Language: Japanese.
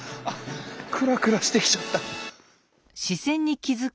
クラクラしてきちゃった。